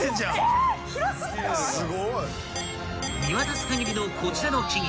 ［見渡す限りのこちらの木々。